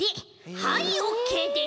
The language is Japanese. はいオッケーです。